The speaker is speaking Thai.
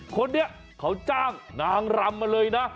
คนนี้เขาจ้างนางรำมาเลยนะ